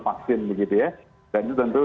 vaksin begitu ya dan itu tentu